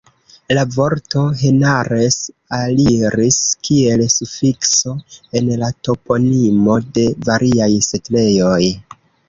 La vorto "henares" aliris, kiel sufikso, en la toponimo de variaj setlejoj.